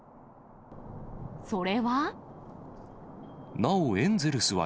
それは。